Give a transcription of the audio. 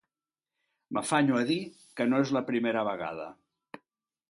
M'afanyo a dir que no és la primera vegada.